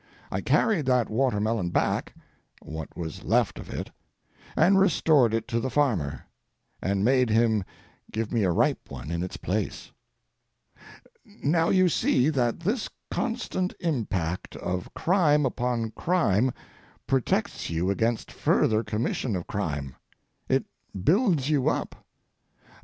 I carried that watermelon back—what was left of it—and restored it to the farmer, and made him give me a ripe one in its place. Now you see that this constant impact of crime upon crime protects you against further commission of crime. It builds you up.